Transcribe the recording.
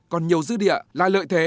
còn nhiều dư địa là lợi thế